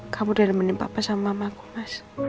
kamu udah nemenin papa sama mamaku mas